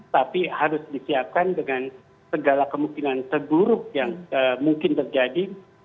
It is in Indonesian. tapi harus disiapkan dengan segala kemungkinan seburuk yang mungkin terjadi